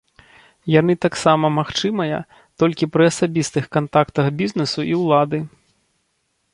Яны таксама магчымая толькі пры асабістых кантактах бізнэсу і ўлады.